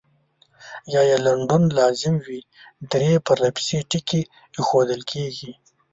یا یې لنډون لازم وي درې پرلپسې ټکي اېښودل کیږي.